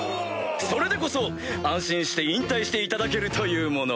それでこそ安心して引退していただけるというもの。